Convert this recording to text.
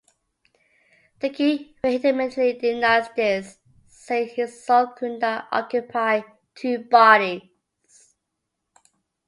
The king vehemently denies this, saying his soul could not occupy two bodies.